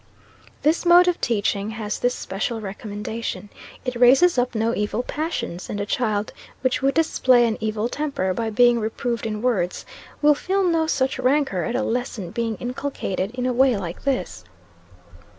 This mode of teaching has this special recommendation it raises up no evil passions: and a child which would display an evil temper by being reproved in words, will feel no such rancor at a lesson being inculcated in a way like this.